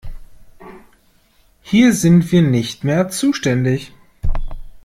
Hier sind wir nicht mehr zuständig.